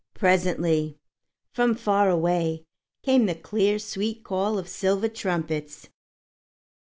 Presently, from far away, came the clear, sweet call of silver trumpets.